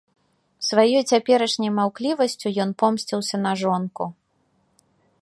Сваёй цяперашняй маўклівасцю ён помсціўся на жонку.